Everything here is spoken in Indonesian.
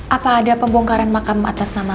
apa ada pembongkaran makam atas nama